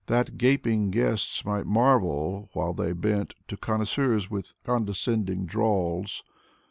That gaping guests might marvel while they bent To connoisseurs with condescending drawls.